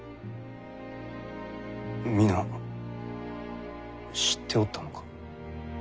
皆知っておったのか？